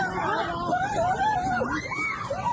อ๋อแลกรุมกันแบบนี้ให้เหรอ